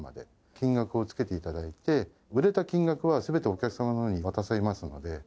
金額をつけていただいて、売れた金額はすべてお客様のほうに渡せますので。